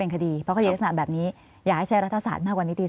คือให้ทำยังไงอยากให้เขาทำยังไง